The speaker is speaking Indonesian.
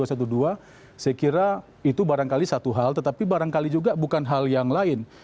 saya kira itu barangkali satu hal tetapi barangkali juga bukan hal yang lain